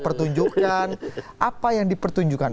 pertunjukan apa yang dipertunjukkan